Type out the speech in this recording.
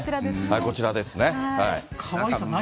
こちらですね。